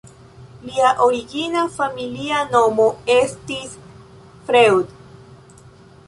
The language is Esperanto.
Lia origina familia nomo estis "Freud".